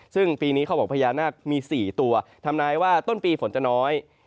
ซึ่งปีนี้เขาบอกพญานาคมี๔ตัวทำนายว่าต้นปีฝนจะน้อย